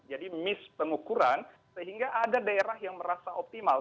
jadi mis pengukuran sehingga ada daerah yang merasa optimal